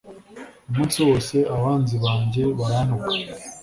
Umunsi wose abanzi banjye barantuka